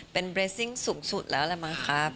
เป็นเรสซิ่งสูงสุดแล้วแหละมั้งครับ